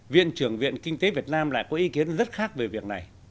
viện trưởng viện kinh tế việt nam lại có ý kiến rất khác về việc này